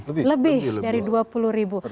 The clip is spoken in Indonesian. lebih dari dua puluh ribu